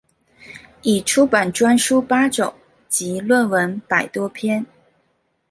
已出版专书八种及论文百多篇。